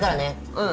うん。